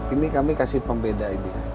ini kami kasih pembedainya